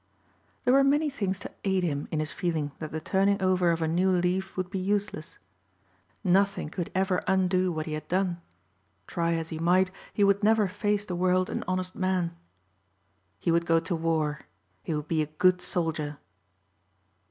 There were many things to aid him in his feeling that the turning over of a new leaf would be useless. Nothing could ever undo what he had done. Try as he might he would never face the world an honest man. He would go to war. He would be a good soldier.